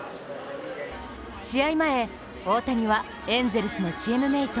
試合前、大谷はエンゼルスのチームメイト